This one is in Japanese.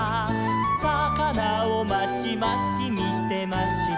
「さかなをまちまちみてました」